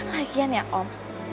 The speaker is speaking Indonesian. lagian ya om